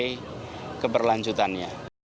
berikut adalah perlanjutannya